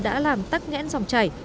đã làm tắt ngẽn dòng chảy